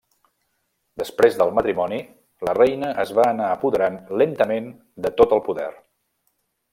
Després del matrimoni la reina es va anar apoderant lentament de tot el poder.